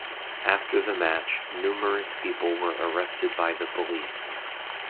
After the match, numerous people were arrested by the police.